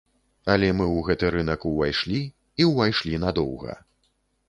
Але мы ў гэты рынак увайшлі, і ўвайшлі надоўга.